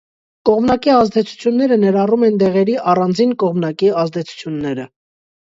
Կողմնակի ազդեցությունները ներառում են դեղերի առանձին կողմնակի ազդեցությունները։